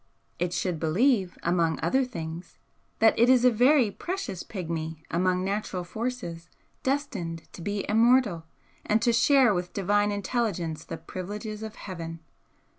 It should believe, among other things, that It is a very precious Pigmy among natural forces, destined to be immortal, and to share with Divine Intelligence the privileges of Heaven.